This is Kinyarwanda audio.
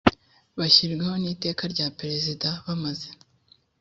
bashyirwaho n iteka rya perezida bamaze